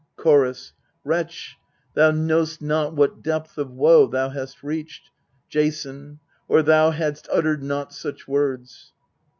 Chorus. Wretch, thou know'st not what depth of woe thou hast reached, Jason, or thou hadst uttered not such words.